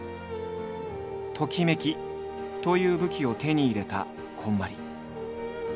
「ときめき」という武器を手に入れたこんまり。